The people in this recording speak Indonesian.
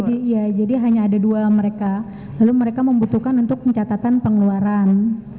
iya jadi hanya ada dua mereka lalu mereka membutuhkan untuk pencatatan pengeluaran